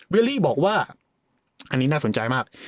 ลี่บอกว่าอันนี้น่าสนใจมาก